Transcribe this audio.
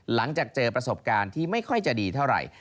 หลังจากเจอประสบการณ์ที่ไม่ค่อยจะดีเท่าไหร่